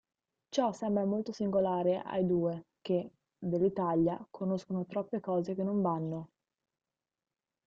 Ciò sembra molto singolare ai due che, dell'Italia, conoscono troppe cose che non vanno.